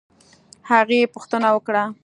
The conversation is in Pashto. هغې پوښتنه وکړه